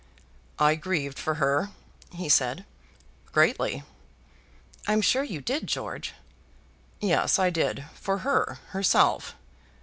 "I grieved for her," he said, "greatly." "I'm sure you did, George." "Yes, I did; for her, herself.